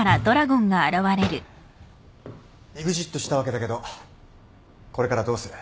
イグジットしたわけだけどこれからどうする？